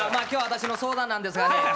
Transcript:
今日は私の相談なんですがね